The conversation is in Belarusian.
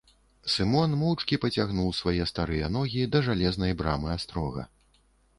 Сымон моўчкі пацягнуў свае старыя ногі да жалезнай брамы астрога.